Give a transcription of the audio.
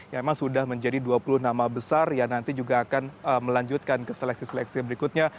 yang memang sudah menjadi dua puluh nama besar yang nanti juga akan melanjutkan ke seleksi seleksi berikutnya